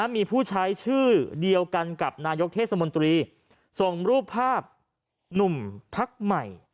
มีผู้ใช้ชื่อเดียวกันกับนายกเทศมนตรีส่งรูปภาพหนุ่มพักใหม่